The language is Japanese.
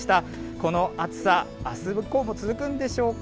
この暑さ、あす以降も続くんでしょうか。